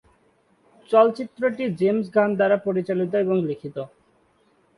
চলচ্চিত্রটি James Gunn দ্বারা পরিচালিত এবং লিখিত।